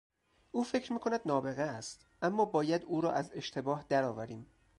او فکر میکند نابغه است، اما باید او را از اشتباه درآوریم.